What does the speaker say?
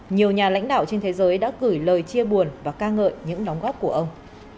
nhiều nhà lãnh đạo trên thế giới đã gửi lời chia buồn và ca ngợi những đóng góp của ông